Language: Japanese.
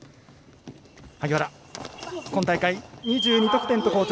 萩原、今大会２２得点と好調。